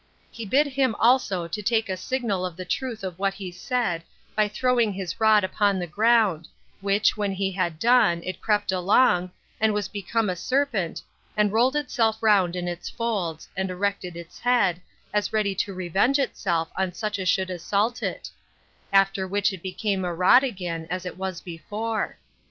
He bid him also to take a signal of the truth of what he said, by throwing his rod upon the ground, which, when he had done, it crept along, and was become a serpent, and rolled itself round in its folds, and erected its head, as ready to revenge itself on such as should assault it; after which it become a rod again as it was before.